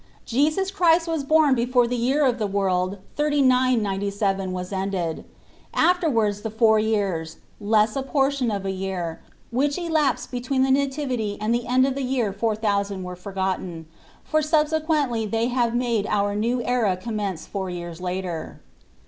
Jesus Christ was bom before the year of the world 3997 was ended ; after wards the four years, less a portion of a year, which elapsed between the Nativity and the end of the year 4000 were forgotten, for subsequently they have made our new era commence four years later.